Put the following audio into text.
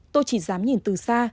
tôi chỉ dám nhìn từ xa